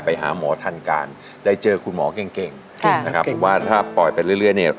ไปหาหมอทันการได้เจอคุณหมอเก่งเก่งนะครับผมว่าถ้าปล่อยไปเรื่อยเนี่ย